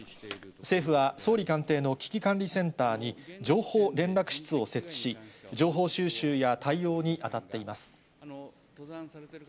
政府は、総理官邸の危機管理センターに、情報連絡室を設置し、情報収集や対応に当たっています。